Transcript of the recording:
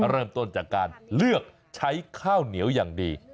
เริ่มต้นจากการเลือกใช้ข้าวเหนียวอย่างดี